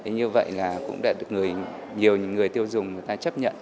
như vậy là cũng đã được nhiều người tiêu dùng chấp nhận